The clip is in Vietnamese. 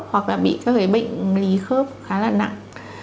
hoặc là bị các cái bệnh lý khớp khá là nặng